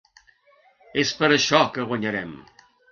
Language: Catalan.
És per això que guanyarem!